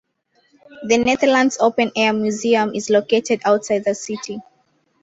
The Netherlands Open Air Museum is located outside the city.